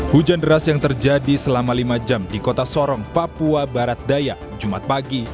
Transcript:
hujan deras yang terjadi selama lima jam di kota sorong papua barat daya jumat pagi